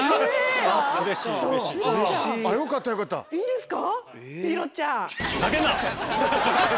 いいんですか？